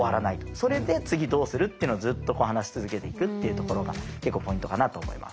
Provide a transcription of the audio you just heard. それで次どうするっていうのをずっと話し続けていくっていうところが結構ポイントかなあと思います。